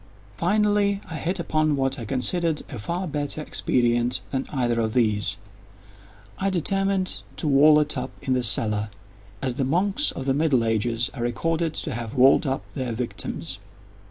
Finally I hit upon what I considered a far better expedient than either of these. I determined to wall it up in the cellar—as the monks of the middle ages are recorded to have walled up their victims.